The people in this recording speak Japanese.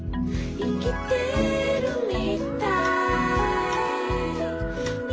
「いきてるみたい」